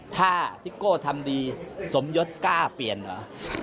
ถ้าซิโก้ทำดีสมยศกล้าเปลี่ยนเหรอ